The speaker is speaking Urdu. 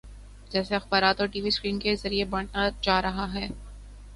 جسے اخبارات اور ٹی وی سکرین کے ذریعے بانٹا جا رہا ہے۔